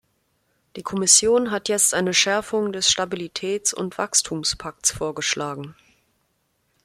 Die Kommission hat jetzt eine Schärfung des Stabilitäts- und Wachstumspakts vorgeschlagen.